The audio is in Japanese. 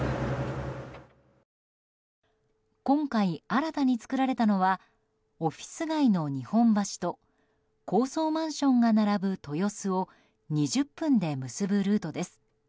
今回、新たに作られたのはオフィス街の日本橋と高層マンションが並ぶ豊洲を２０分で結ぶルートです。